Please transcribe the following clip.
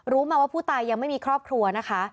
รู้มาว่าผู้ตายยังไม่มีครอบครัวนะคะ